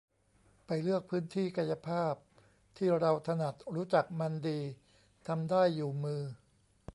ไปเลือกพื้นที่กายภาพที่เราถนัด รู้จักมันดี ทำได้อยู่มือ